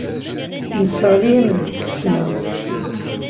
Nesseɣli-am deg tfesna.